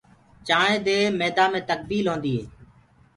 چآنٚينٚ دي ميدآ مي تڪبيل هوندي هي۔